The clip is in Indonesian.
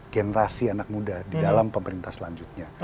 generasi anak muda di dalam pemerintah selanjutnya